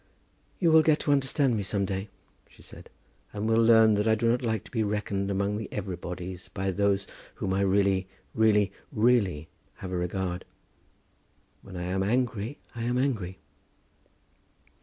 "You will get to understand me some day," she said, "and will learn that I do not like to be reckoned among the everybodies by those for whom I really really really have a regard. When I am angry, I am angry."